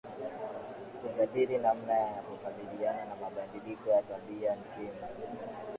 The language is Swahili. kujadili namna ya kukabiliana na mabadiliko ya tabia nchi